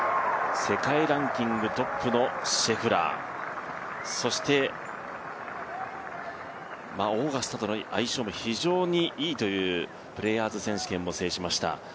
世界ランキングトップのシェフラー、そしてオーガスタとの相性も非常にいいというプレーヤーズ選手権も征しました